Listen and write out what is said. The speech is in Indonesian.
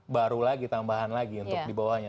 baru lagi tambahan lagi untuk dibawanya